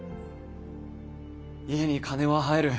家に金は入る。